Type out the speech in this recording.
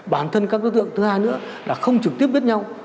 bản thân các đối tượng thứ hai nữa là không trực tiếp biết nhau